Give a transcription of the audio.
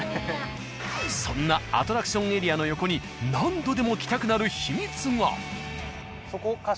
そんなアトラクションエリアの横に何度でも来たくなる秘密が！